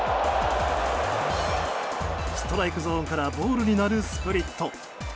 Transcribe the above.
ストライクゾーンからボールになるスプリット。